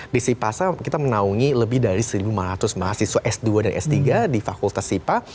di sipasa kita menaungi lebih dari satu lima ratus mahasiswa s dua dan s tiga di fakultas sipa